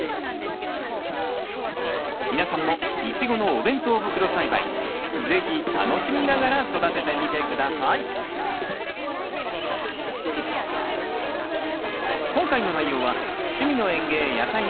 皆さんもイチゴのお弁当袋栽培是非楽しみながら育ててみて下さい今回の内容は「趣味の園芸やさいの時間」